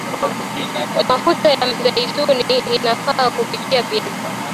mafuta ya mizeituni yanafaa kupikia viazi